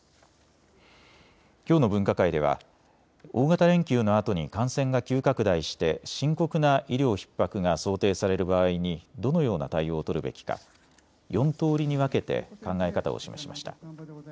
きょうの分科会では大型連休のあとに感染が急拡大して深刻な医療ひっ迫が想定される場合にどのような対応を取るべきか４通りに分けて考え方を示しました。